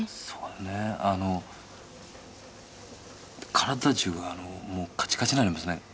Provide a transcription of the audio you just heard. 体中がカチカチになりますね。